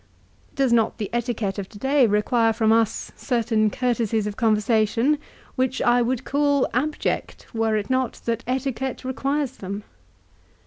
Does not the etiquette of to day require from us certain courtesies of conversation, which I would call abject were it not that etiquette requires them